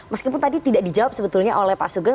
meskipun tadi tidak dijawab sebetulnya oleh pak sugeng